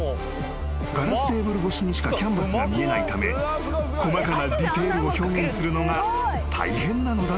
［ガラステーブル越しにしかキャンバスが見えないため細かなディテールを表現するのが大変なのだそう］